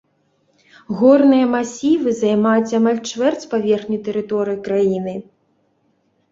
Горныя масівы займаюць амаль чвэрць паверхні тэрыторыі краіны.